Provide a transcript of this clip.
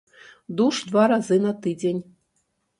Душ два разы на тыдзень.